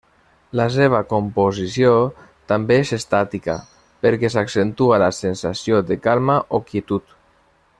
La seva composició també és estàtica, perquè s'accentua la sensació de calma o quietud.